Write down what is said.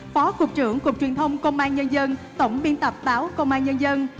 phó cục trưởng cục truyền thông công an nhân dân tổng biên tập báo công an nhân dân